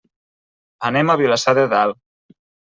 Anem a Vilassar de Dalt.